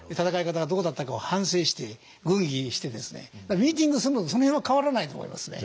ミーティングするのとその辺は変わらないと思いますね。